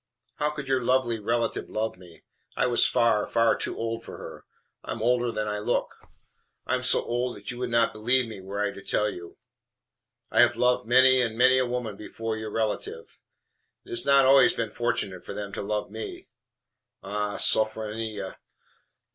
How could your lovely relative love me? I was far, far too old for her. I am older than I look. I am so old that you would not believe my age were I to tell you. I have loved many and many a woman before your relative. It has not always been fortunate for them to love me. Ah, Sophronia!